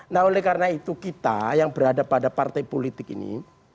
nah oleh karena itu kita yang berada pada partai politik ini